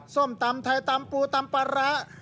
ส้มตำไทยตำปูตำปลาร้า